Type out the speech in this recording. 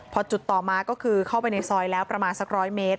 พอจุดต่อมาก็คือเข้าไปในซอยแล้วประมาณสัก๑๐๐เมตร